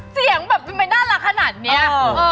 เสียงแบบไม่น่ารักขนาดเนี้ย